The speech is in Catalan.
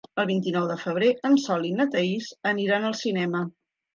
El vint-i-nou de febrer en Sol i na Thaís aniran al cinema.